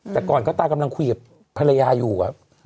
แต่ก่อนก็ตากำลังคุยกับภรรยาอยู่อะ